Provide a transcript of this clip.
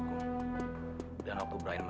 kau kurang kurang boleh dateng rumah itu ke rumah